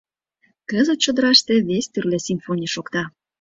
Кызыт чодыраште вес тӱрлӧ симфоний шокта.